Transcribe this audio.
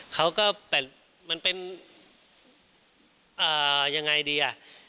เขาก็แต่มันเป็นยังไงดีอ่ะ